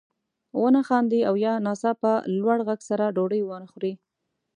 ونه خاندي او یا ناڅاپه لوړ غږ سره ډوډۍ وانه غواړي.